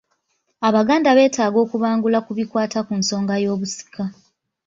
Abaganda beetaaga okubangula ku bikwata ku nsonga y’obusika.